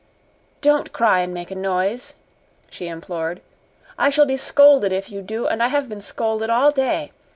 "Don't cry and make a noise," she implored. "I shall be scolded if you do, and I have been scolded all day.